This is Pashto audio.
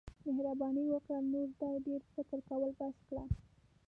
مهرباني وکړه نور دا ډیر فکر کول بس کړه.